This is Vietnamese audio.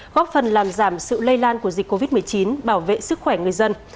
góp phần làm giảm sự lây lan của dịch covid một mươi chín bảo vệ sức khỏe người dân